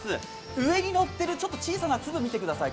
上にのっている、ちょっと小さな粒を見てください。